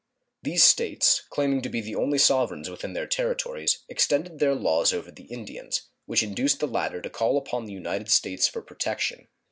These States, claiming to be the only sovereigns within their territories, extended their laws over the Indians, which induced the latter to call upon the United States for protection.